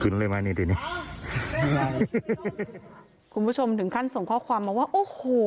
ขึ้นเลยไหมนี่ดีนี่ไม่ได้คุณผู้ชมถึงขั้นส่งข้อความมาว่าโอ้โห